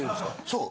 そう。